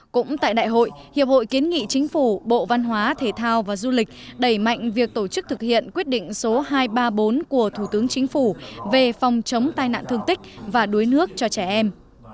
cũng tại đại hội hiệp hội kiến nghị chính phủ bộ văn hóa thể thao và du lịch đẩy mạnh việc tổ chức thực hiện quyết định số hai trăm ba mươi bốn của thủ tướng chính phủ về phòng chống tai nạn thương tích và đuối nước cho trẻ em